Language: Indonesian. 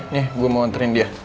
nih gue mau antarin dia